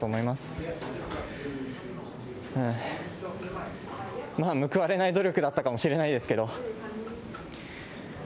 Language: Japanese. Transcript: まあ、報われない努力だったかもしれないですけど。